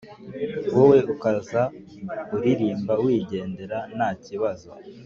wowe ukaza uririmba wigendera nta kibazo